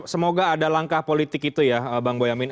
semoga ada langkah politik itu ya bang boyamin